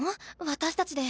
私たちで。